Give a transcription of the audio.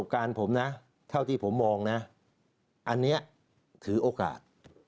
การผมนะเท่าที่ผมมองนะอันนี้ถือโอกาส